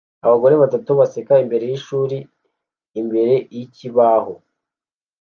Abagore batatu baseka imbere yishuri imbere yikibaho